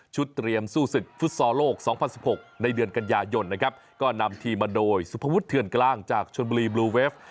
เตรียมสู้ศึกฟุตซอลโลก๒๐๑๖ในเดือนกันยายนนะครับก็นำทีมมาโดยสุภวุฒิเถื่อนกลางจากชนบุรีบลูเวฟ